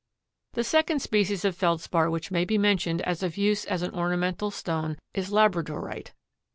The second species of Feldspar which may be mentioned as of use as an ornamental stone is labradorite.